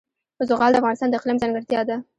زغال د افغانستان د اقلیم ځانګړتیا ده.